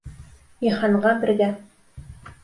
Йыһанға бергә